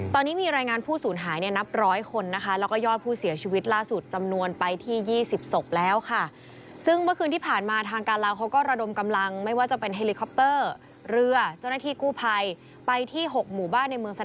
ตอนนี้มีรายงานผู้สูญหายเนี่ยนับร้อยคนนะคะแล้วก็ยอดผู้เสียชีวิตล่าสุดจำนวนไปที่๒๐ศพแล้วค่ะ